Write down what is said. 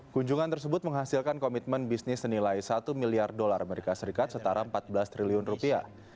kunjungan tersebut menghasilkan komitmen bisnis senilai satu miliar dolar amerika serikat setara empat belas triliun rupiah